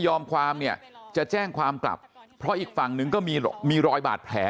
ความเนี่ยจะแจ้งความกลับเพราะอีกฝั่งนึงก็มีมีรอยบาดแผล